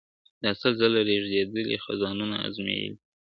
دا سل ځله رژېدلی خزانونو آزمېیلی `